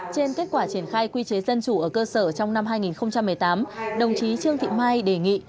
trên kết quả triển khai quy chế dân chủ ở cơ sở trong năm hai nghìn một mươi tám đồng chí trương thị mai đề nghị